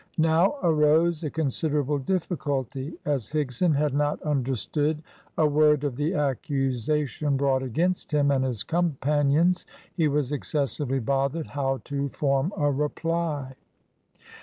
Now arose a considerable difficulty. As Higson had not understood a word of the accusation brought against him and his companions, he was excessively bothered how to form a reply.